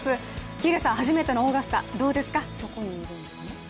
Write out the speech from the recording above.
喜入さん、初めてのオーガスタ、どうですか？